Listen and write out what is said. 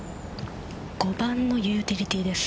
５番のユーティリティーです。